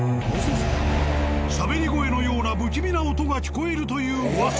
しゃべり声のような不気味な音が聞こえるという噂。